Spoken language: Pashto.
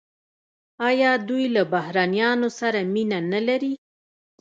آیا دوی له بهرنیانو سره مینه نلري؟